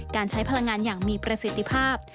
การใช้พลังงานอย่างมีประสิทธิภาพ